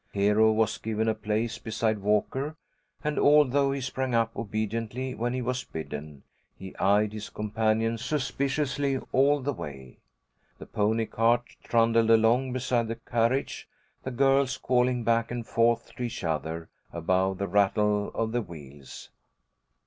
Hero was given a place beside Walker, and although he sprang up obediently when he was bidden, he eyed his companion suspiciously all the way. The pony cart trundled along beside the carriage, the girls calling back and forth to each other, above the rattle of the wheels.